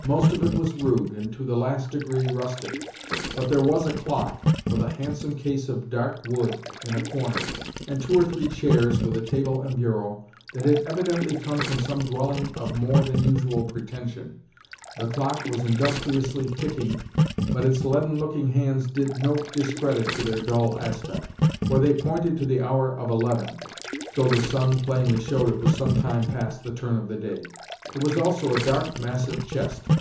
Most of it was rude, and to the last degree rustic; but there was a clock, with a handsome case of dark wood, in a corner, and two or three chairs, with a table and bureau, that had evidently come from some dwelling of more than usual pretension. The clock was industriously ticking, but its leaden looking hands did no discredit to their dull aspect, for they pointed to the hour of eleven, though the sun plainly showed it was some time past the turn of the day. There was also a dark, massive chest.